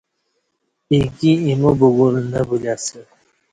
ایکی ایمو بگول نہ بولی اسہ